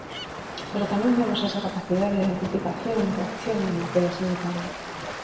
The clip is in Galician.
Pero tamén vemos esa capacidade de anticipación e reacción en materia sanitaria.